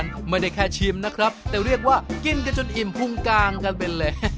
ผมไม่ได้แค่ชิมนะครับแต่เรียกว่ากินกันจนอิ่มพุงกลางกันไปเลย